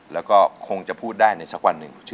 แล้วก็คงจะพูดได้ในสักวันหนึ่ง